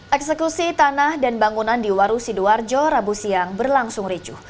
eksekusi tanah dan bangunan di waru sidoarjo rabu siang berlangsung ricuh